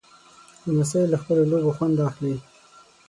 لمسی له خپلو لوبو خوند اخلي.